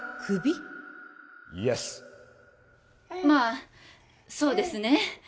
まあそうですねえ